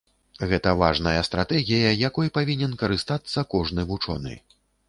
Гэта важная стратэгія, якой павінен карыстацца кожны вучоны.